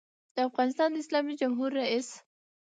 دافغانستان د اسلامي جمهوریت رئیس